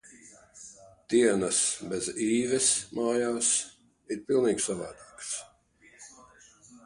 Dienas bez Īves mājās, ir pilnīgi savādākas.